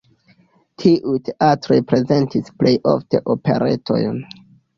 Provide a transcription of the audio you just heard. Tiuj teatroj prezentis plej ofte operetojn.